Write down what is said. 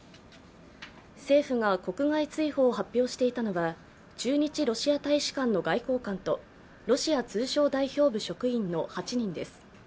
政府が国外追放を発表していたのは駐日ロシア大使館の外交官とロシア通商代表部職員の８人です。